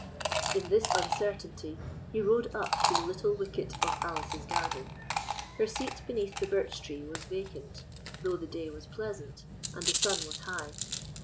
In this uncertainty he rode up to the little wicket of Alice's garden. Her seat beneath the birch tree was vacant, though the day was pleasant and the sun was high.